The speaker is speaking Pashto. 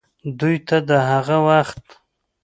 دوې ته دَ هغه وخت